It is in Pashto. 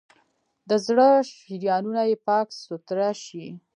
د زړه شریانونه یې پاک سوتره شي.